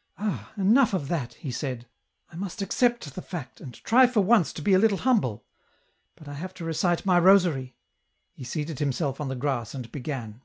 " Ah, enough of that," he said ;" I must accept the fact, and try for once to be a little humble ! but I have to recite my rosary." He seated himself on the grass and began.